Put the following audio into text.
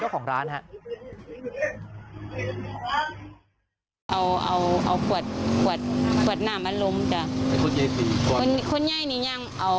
ค่ะ